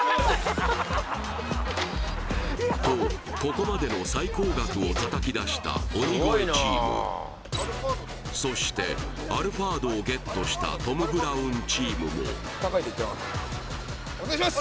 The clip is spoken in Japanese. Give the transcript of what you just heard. とここまでの最高額をたたき出した鬼越チームそしてアルファードをゲットしたトム・ブラウンチームもお願いします